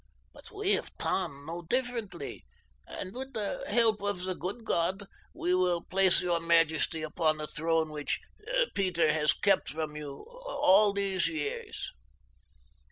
But we of Tann know differently, and with the help of the good God we will place your majesty upon the throne which Peter has kept from you all these years."